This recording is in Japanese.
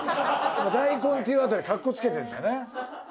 大根っていうあたりかっこつけてんだよね。